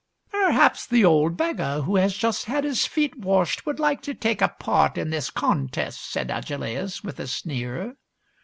" Perhaps the old beggar who has just had his feet washed would like to take a part in this con test," said Agelaus, with a sneer.